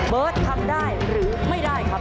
เบิร์ดทำได้หรือไม่ได้ครับ